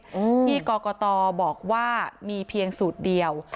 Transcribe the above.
ทีนี้กอกตอบอกว่ามีเพียงสูตรเดียว